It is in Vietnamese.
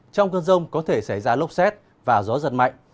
trong cơn rông có thể xảy ra lốc xét và gió giật mạnh